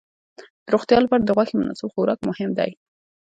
د روغتیا لپاره د غوښې مناسب خوراک مهم دی.